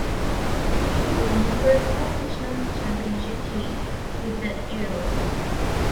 Heaney was a member of four national championship teams with the Aeros.